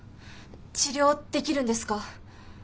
治療できるんですか？